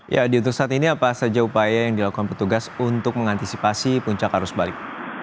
ya di untuk saat ini apa saja upaya yang dilakukan petugas untuk mengantisipasi puncak arus balik